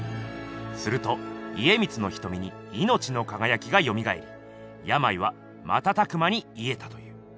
すると家光のひとみにいのちのかがやきがよみがえりやまいはまたたく間にいえたという。